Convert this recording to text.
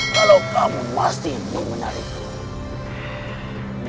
kalau kamu masih ingin menarikku